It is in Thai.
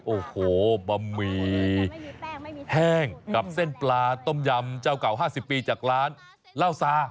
โอ้โหบะหมี่แห้งกับเส้นปลาต้มยำเจ้าเก่า๕๐ปีจากร้านเหล้าซา